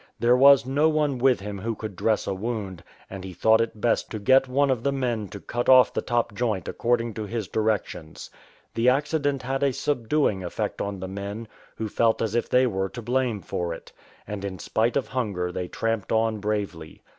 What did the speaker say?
There was no one with him who could dress a wound, and he thought it best to get one of the men to cut off" the top joint accord ing to his directions. The accident had a subduing effect on the men, who felt as if they were to blame for it ; and in spite of hunger they tramped on bravely.